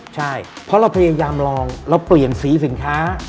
ใช่เพราะเราพยายามลองเราเปลี่ยนสีสินค้า